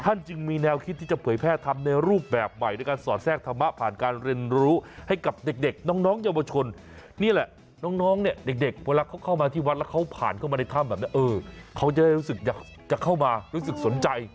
จึงมีแนวคิดที่จะเผยแพร่ทำในรูปแบบใหม่ด้วยการสอดแทรกธรรมะผ่านการเรียนรู้ให้กับเด็กน้องเยาวชนนี่แหละน้องเนี่ยเด็กเวลาเขาเข้ามาที่วัดแล้วเขาผ่านเข้ามาในถ้ำแบบนี้เออเขาจะได้รู้สึกอยากจะเข้ามารู้สึกสนใจ